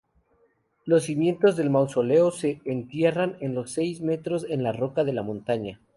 Los cimientos del mausoleo se entierran seis metros en la roca de la montaña.